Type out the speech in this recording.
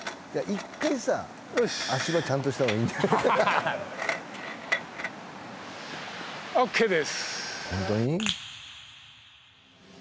１回さ足場ちゃんとした方がいいホントに？